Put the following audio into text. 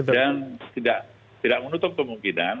dan tidak menutup kemungkinan